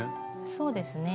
そうですね。